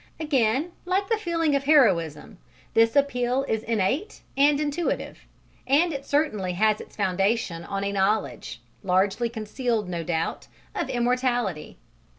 Again, like the feeling of heroism, this appeal is innate and intuitive, and it certainly has its foundation on a knowledge largely concealed, no doubt of immortality.